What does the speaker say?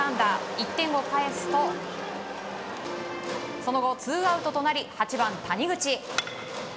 １点を返すと、その後ツーアウトとなり８番、谷口。